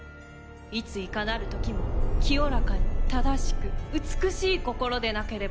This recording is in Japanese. いついかなる時も清らかに正しく美しい心でなければなりません。